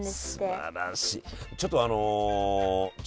すばらしい。